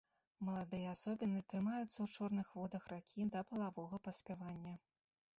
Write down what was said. Маладыя асобіны трымаюцца ў чорных водах ракі да палавога паспявання.